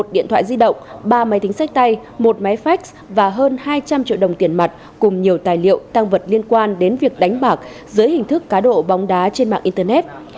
một điện thoại di động ba máy tính sách tay một máy fax và hơn hai trăm linh triệu đồng tiền mặt cùng nhiều tài liệu tăng vật liên quan đến việc đánh bạc dưới hình thức cá độ bóng đá trên mạng internet